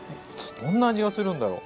どんな味がするんだろう。